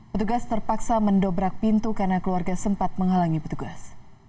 petugas terpaksa mendobrak pintu karena keluarga sempat menghalangi petugas